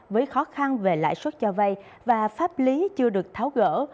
với khó khăn về lãi suất cho vay và pháp lý chưa được tháo gỡ